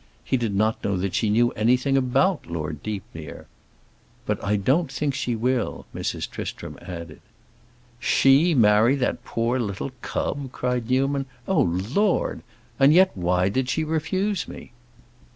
He did not know that she knew anything about Lord Deepmere. "But I don't think she will," Mrs. Tristram added. "She marry that poor little cub!" cried Newman. "Oh, Lord! And yet, why did she refuse me?"